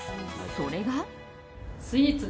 それが。